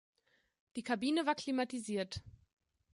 Die Kabine war klimatisiert.